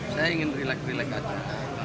saya ingin relax relax aja